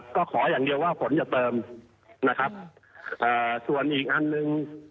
ก็ขออย่างเดียวว่าฝนจะเติมนะครับเอ่อส่วนอีกอันหนึ่ง